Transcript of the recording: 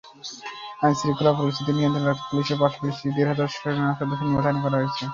আইনশৃঙ্খলা পরিস্থিতি নিয়ন্ত্রণে রাখতে পুলিশের পাশাপাশি দেড় হাজার সেনাসদস্যও মোতায়েন করা হয়েছে।